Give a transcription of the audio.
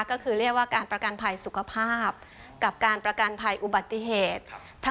ก็คือเรียกว่าการประกันภัยสุขภาพกับการประกันภัยอุบัติเหตุ